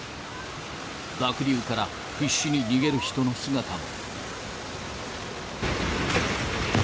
濁流から必死に逃げる人の姿も。